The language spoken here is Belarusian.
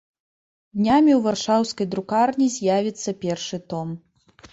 Днямі ў варшаўскай друкарні з'явіцца першы том.